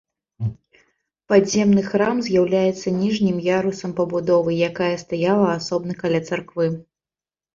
Падземны храм з'яўляецца ніжнім ярусам пабудовы, якая стаяла асобна каля царквы.